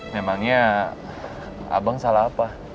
memangnya abang salah apa